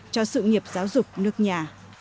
cho sự nghiệp giáo dục nước nhà